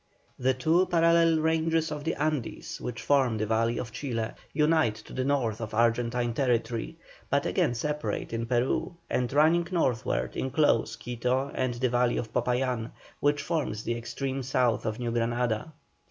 The two parallel ranges of the Andes, which form the valley of Chile, unite to the north of Argentine territory, but again separate in Peru, and running northward enclose Quito and the valley of Popayán, which forms the extreme south of New Granada.